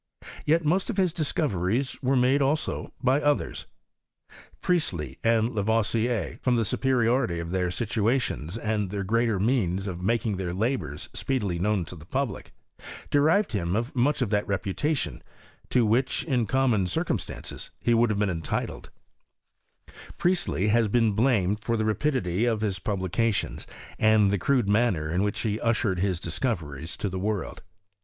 Yet most of his discoveries were made, also, by others. Priestley and Lavoisier, from the superiority of their situations, and their greater means of making their labours speedily known to the public, deprived him of much of that reputation to which, in common circumstances, he would have been entitled, Priestley has been blamed for the rapidity of his publications, and the crude manner in which he ushered his discoveries to the world.